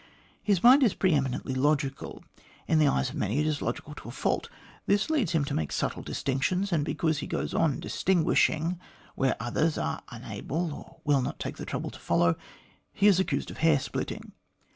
His mind is pre eminently logical ; in the eyes of many it is logical to a fault. This leads him to make subtle distinctions, and because he goes on distinguishing where others are unable or will not take the trouble to follow, he is accused of hair splitting.